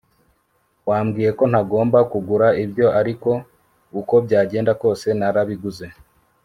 Wambwiye ko ntagomba kugura ibyo ariko uko byagenda kose narabiguze